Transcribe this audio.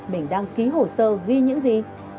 mình đăng ký hồ sơ ghi những gì